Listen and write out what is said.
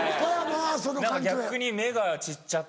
何か逆に目が散っちゃって。